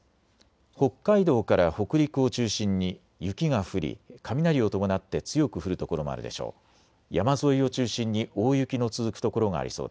北海道から北陸を中心に雪が降り雷を伴って強く降る所もあるでしょう。